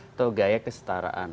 itu gaya kesetaraan